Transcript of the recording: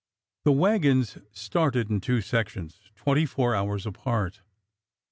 The wagons started in two sections, twenty four hours apart.